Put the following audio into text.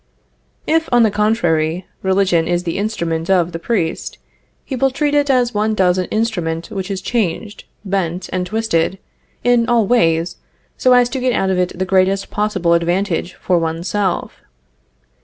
If, on the contrary, religion is the instrument of the priest, he will treat it as one does an instrument which is changed, bent and twisted in all ways so as to get out of it the greatest possible advantage for one's self.